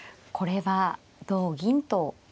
これは同銀と。